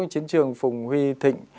chiến trường phùng huy thịnh